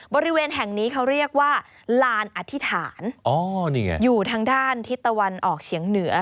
บริเวณแห่งนี้เขาเรียกว่าลานอธิษฐานอยู่ทางด้านทิศตะวันออกเฉียงเหนือ